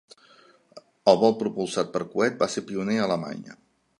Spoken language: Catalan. El vol propulsat per coet va ser pioner a Alemanya.